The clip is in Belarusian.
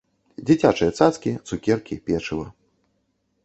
Дзіцячыя цацкі, цукеркі, печыва.